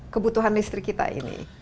kebutuhan listrik kita ini